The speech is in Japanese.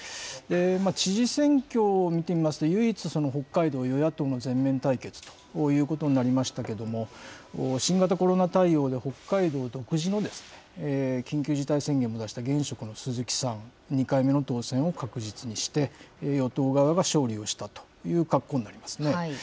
知事選挙を見てみますと、唯一、北海道、与野党の全面対決ということになりましたけれども、新型コロナ対応で北海道独自の緊急事態宣言も出した現職の鈴木さん、２回目の当選を確実にして、与党側が勝利をしたという格好になりますね。